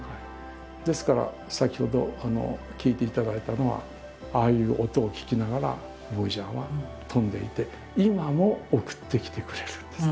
ですから先ほど聴いていただいたのはああいう音を聴きながらボイジャーは飛んでいて今も送ってきてくれるんです。